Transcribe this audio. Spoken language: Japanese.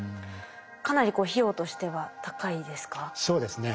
かなり費用としては高いですか？